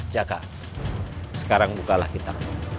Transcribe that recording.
jaka sekarang bukalah kita